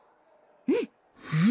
うん！